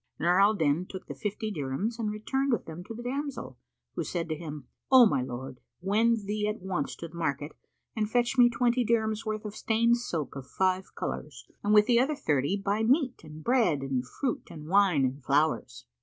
Nur al Din took the fifty dirhams and returned with them to the damsel, who said to him, "O my lord, wend thee at once to the market and fetch me twenty dirhams' worth of stained silk of five colours and with the other thirty buy meat and bread and fruit and wine and flowers."